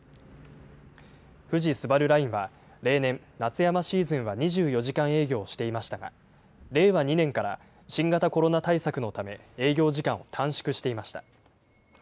富士スバルラインは、例年、夏山シーズンは２４時間営業していましたが、令和２年から新型コロナ対策のため、営業時間を短縮していました。